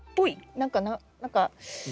何か何か。